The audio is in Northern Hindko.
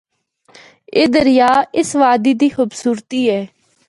اے دریا اس وادی دی خوبصورتی اے۔